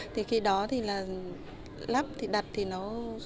thì khi đó thì là lắp thì đặt thì nó